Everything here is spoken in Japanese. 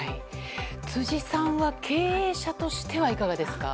辻さんは経営者としてはいかがですか？